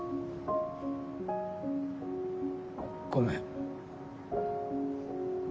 ごめん。